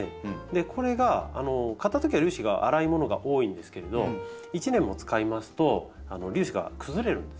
これが買ったときは粒子が粗いものが多いんですけれど１年も使いますと粒子が崩れるんですね。